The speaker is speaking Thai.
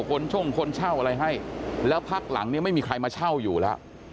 คนช่งคนเช่าอะไรให้แล้วพักหลังเนี่ยไม่มีใครมาเช่าอยู่แล้ว